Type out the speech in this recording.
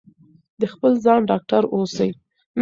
د خپل ځان ډاکټر اوسئ.